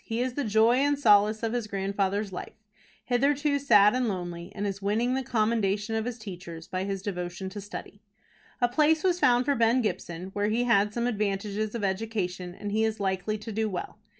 He is the joy and solace of his grandfather's life, hitherto sad and lonely, and is winning the commendation of his teachers by his devotion to study. A place was found for Ben Gibson, where he had some advantages of education, and he is likely to do well.